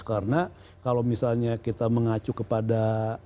karena kalau misalnya kita mengacu kepada